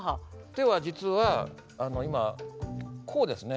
手は実はこうですね。